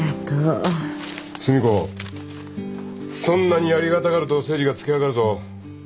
そんなにありがたがると誠治がつけ上がるぞ。